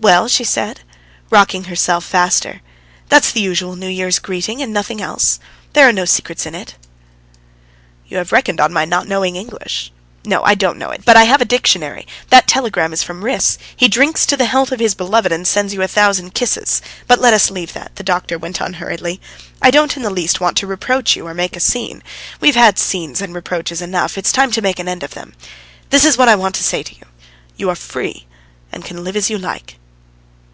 "Well?" she said, rocking herself faster. "That's the usual New Year's greeting and nothing else. There are no secrets in it." "You are reckoning on my not knowing English. No, I don't know it; but I have a dictionary. That telegram is from Riss; he drinks to the health of his beloved and sends you a thousand kisses. But let us leave that," the doctor went on hurriedly. "I don't in the least want to reproach you or make a scene. We've had scenes and reproaches enough; it's time to make an end of them. ... This is what I want to say to you: you are free, and can live as you like."